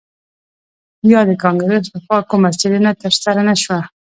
یا د کانګرس لخوا کومه څیړنه ترسره نه شوه